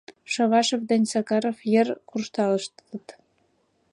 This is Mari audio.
Шовашов ден Сакаров йыр куржталыштыт.